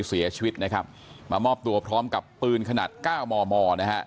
เสียชีวิตนะครับมามอบตัวพร้อมกับปืนขนาดเก้ามอมอนะฮะ